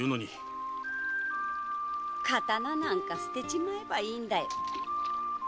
刀なんか捨てちまえばいいんだよ。